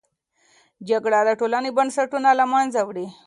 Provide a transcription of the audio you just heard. جګړه د ټولنې بنسټونه له منځه وړي.